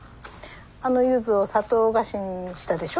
あのユズを砂糖菓子にしたでしょ？